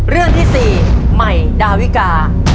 เรื่องที่๔ใหม่ดาวิกา